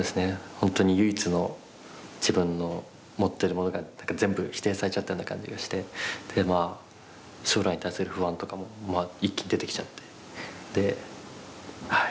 ほんとに唯一の自分の持ってるものが全部否定されちゃったような感じがしてでまあ将来に対する不安とかも一気に出てきちゃってではい。